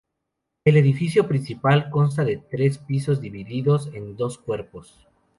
El edificio principal consta de tres pisos divididos en dos cuerpos.